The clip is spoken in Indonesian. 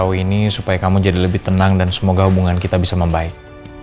sejauh ini supaya kamu jadi lebih tenang dan semoga hubungan kita bisa membaik